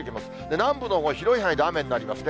南部のほうは広い範囲で雨になりますね。